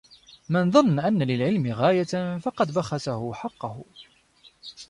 مَنْ ظَنَّ أَنَّ لِلْعِلْمِ غَايَةً فَقَدْ بَخَسَهُ حَقَّهُ